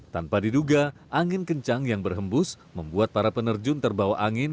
tanpa diduga angin kencang yang berhembus membuat para penerjun terbawa angin